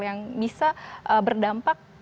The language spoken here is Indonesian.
yang bisa berdampak